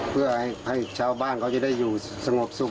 เพื่อให้ชาวบ้านเขาจะได้อยู่สงบสุข